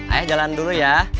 ayah jalan dulu ya